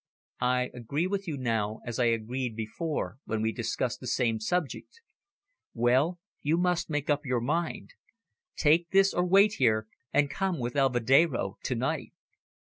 "I agree with you now, as I agreed before when we discussed the same subject. Well, you must make up your mind. Take this, or wait here and come with Alvedero to night."